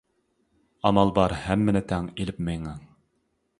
ئامال بار ھەممىنى تەڭ ئىلىپ مېڭىڭ.